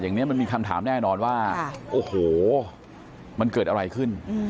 อย่างนี้มันมีคำถามแน่นอนว่าโอ้โหมันเกิดอะไรขึ้น